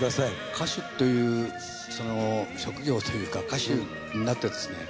歌手という職業というか歌手になってですね